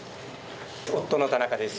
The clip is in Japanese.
夫の田中です。